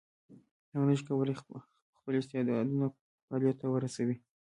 هغه نشي کولای خپل استعدادونه فعلیت ته ورسوي.